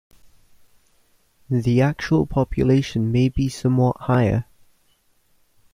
The actual population may be somewhat higher.